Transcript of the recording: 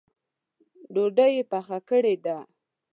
ډوډۍ یې پخه کړې ده؟